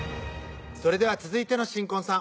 それでは続いての新婚さん